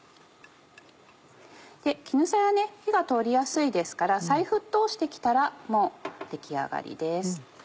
絹さや火が通りやすいですから再沸騰して来たらもう出来上がりです。